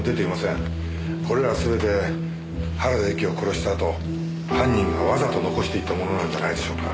これら全て原田由紀を殺したあと犯人がわざと残していったものなんじゃないでしょうか。